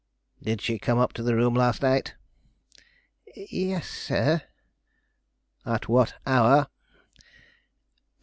"Did she come up to the room last night?" "Yes, sir." "At what hour?"